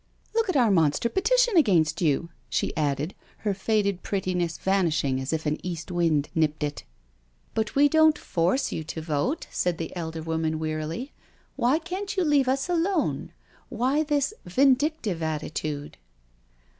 Look ^t our monster petition i6o NO SURRENDER against you I" she added, her faded prettiness vanish ing as if an east wind nipped it. •• But we don't force you to vote/* said the elder woman wearily. " Why can't you leave us alone? Why this vindictive attitude?"